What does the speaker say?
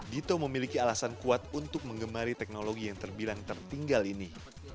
dito memiliki alasan kuat untuk mengemari teknologi yang terbilang tertinggal ini